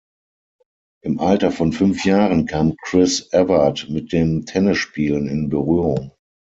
Im Alter von fünf Jahren kam Chris Evert mit dem Tennisspielen in Berührung.